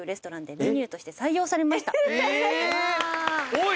おい！